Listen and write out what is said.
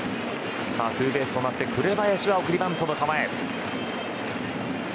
ツーベースとなって紅林は送りバントの構え。